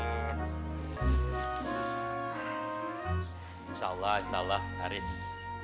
insya allah insya allah haris